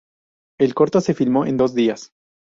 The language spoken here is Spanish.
El cortó se filmó en dos días.